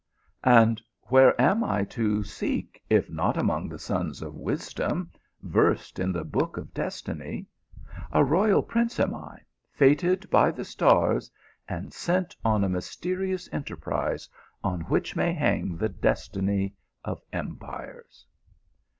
" And where am I to seek, if not among the sons of wisdom, versed in the book of destiny ? A royal prince am I, fated by the stars and sent on a myste rious enterprise, on which may hang the destiny of empires."